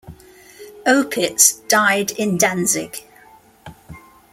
Opitz died in Danzig.